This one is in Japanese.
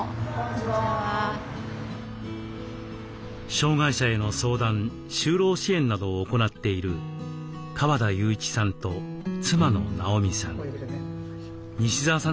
障害者への相談・就労支援などを行っている川田祐一さんと妻の直美さん。